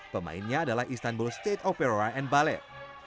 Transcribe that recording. pemainnya adalah istanbul state opera and ballet